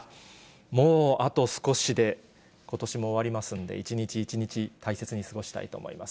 もうあと少しでことしも終わりますんで、一日一日大切に過ごしたいと思います。